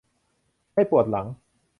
ไม่ปวดหลัง